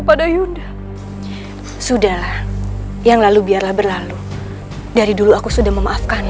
pada yuda sudahlah yang lalu biarlah berlalu dari dulu aku sudah memaafkan